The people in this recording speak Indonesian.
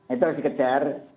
itu harus dikejar